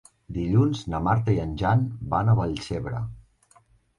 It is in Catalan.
Dilluns na Marta i en Jan van a Vallcebre.